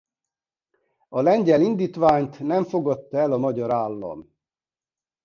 A lengyel indítványt nem fogadta el a magyar állam.